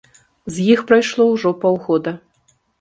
З іх прайшло ўжо паўгода.